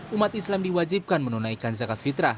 umat islam diwajibkan menunaikan zakat fitrah